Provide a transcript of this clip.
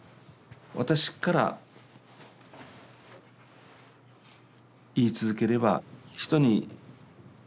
私から言い続ければ人に。